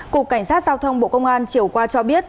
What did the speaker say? cục cảnh sát giao thông bộ công an chiều qua cho biết